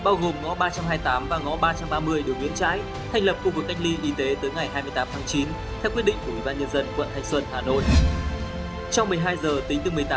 trong một mươi hai h tính từ một mươi tám h ngày hai mươi tháng chín đến sáu h ngày hai mươi một tháng chín